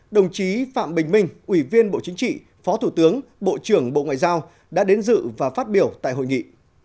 đồng chí phạm bình minh ủy viên bộ chính trị phó thủ tướng bộ trưởng bộ ngoại giao đã đến dự và phát biểu tại hội nghị